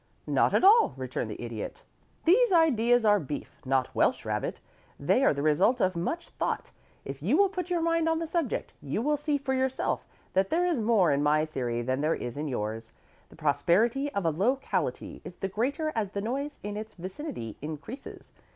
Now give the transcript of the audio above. "Not at all," returned the Idiot. "These ideas are beef not Welsh rabbit. They are the result of much thought. If you will put your mind on the subject, you will see for yourself that there is more in my theory than there is in yours. The prosperity of a locality is the greater as the noise in its vicinity increases.